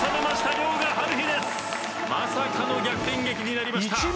まさかの逆転劇になりました。